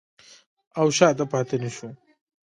او شاته پاتې نشو.